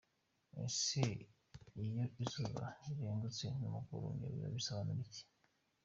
Ese iyo izuba rizengurutswe n’umukororombya biba bisobanuye iki?.